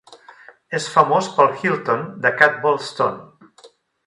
És famós pel Hilton de Cadboll Stone.